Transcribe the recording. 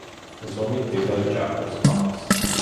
ზომით დედალი ჭარბობს მამალს.